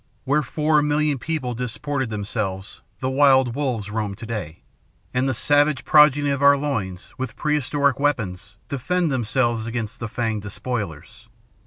"Where four million people disported themselves, the wild wolves roam to day, and the savage progeny of our loins, with prehistoric weapons, defend themselves against the fanged despoilers.